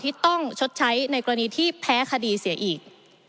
ที่ต้องชดใช้ในกรณีที่แพ้คดีเสียอีก